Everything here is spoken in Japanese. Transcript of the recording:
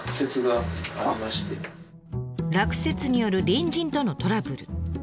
落雪による隣人とのトラブル。